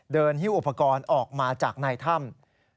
หิ้วอุปกรณ์ออกมาจากในถ้ำ